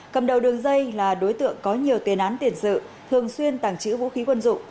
cầm đầu đường dây là đối tượng có nhiều tiền án tiền sự thường xuyên tàng trữ vũ khí quân dụng